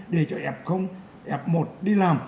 để cho f f một đi làm